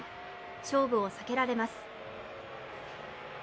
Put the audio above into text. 勝負を避けられます。